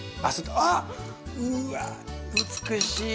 うわ美しい。